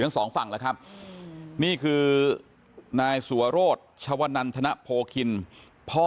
ทั้งสองฝั่งแล้วครับนี่คือนายสัวโรธชวนันธนโพคินพ่อ